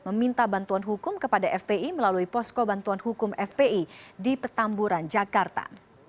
meminta bantuan hukum kepada fpi melalui posko bantuan hukum fpi di petamburan jakarta